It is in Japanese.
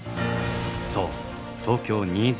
そう東京２０２０